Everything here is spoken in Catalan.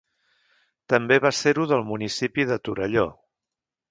També va ser-ho del municipi de Torelló.